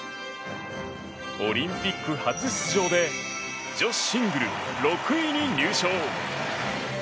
オリンピック初出場で女子シングル６位に入賞。